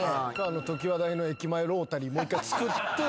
常盤台の駅前ロータリーもう一回つくって。